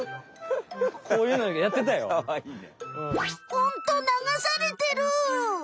ホント流されてる！